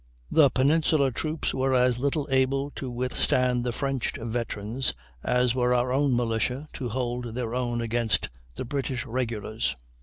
The Peninsular troops were as little able to withstand the French veterans as were our militia to hold their own against the British regulars.